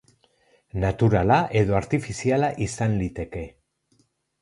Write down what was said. Naturala edo artifiziala izan liteke.